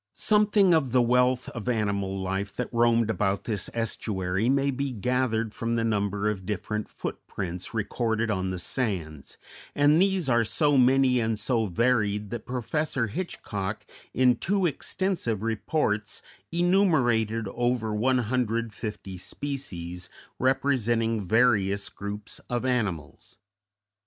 _] Something of the wealth of animal life that roamed about this estuary may be gathered from the number of different footprints recorded on the sands, and these are so many and so varied that Professor Hitchcock in two extensive reports enumerated over 150 species, representing various groups of animals.